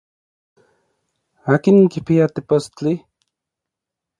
¿Akin kipia tepostli?